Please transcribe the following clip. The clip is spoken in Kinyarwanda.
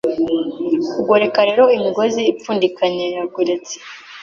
Kugoreka rero imigozi ipfundikanya yagoretse